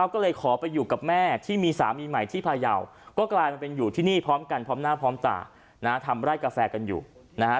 ก็เลยขอไปอยู่กับแม่ที่มีสามีใหม่ที่พายาวก็กลายมาเป็นอยู่ที่นี่พร้อมกันพร้อมหน้าพร้อมตาทำไร่กาแฟกันอยู่นะฮะ